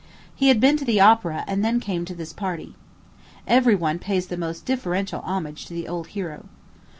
He had been to the opera, and then came to this party. Every one pays the most deferential homage to the old hero.